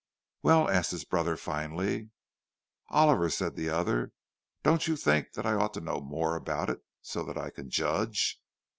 "Well?" asked his brother, finally. "Oliver," said the other, "don't you think that I ought to know more about it, so that I can judge?"